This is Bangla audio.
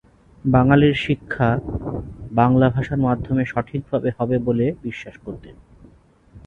বাঙালির শিক্ষা বাংলা ভাষার মাধ্যমে সঠিকভাবে হবে বলে বিশ্বাস করতেন।